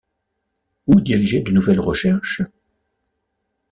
Où diriger de nouvelles recherches?